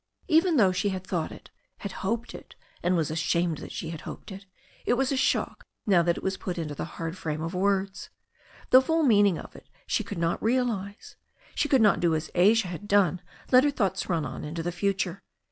Even though she had thought it, had hoped it and was ashamed that she had hoped it, it was a shock now that it was put into the hard frame of words» The full meaning of it she could not realize. She could not do as Asia had done, let her thoughts run on into the future.